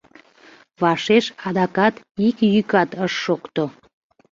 Вашеш адакат ик йӱкат ыш шокто.